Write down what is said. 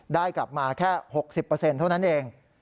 ได้กลับมาแค่๖๐เท่านั้นเอง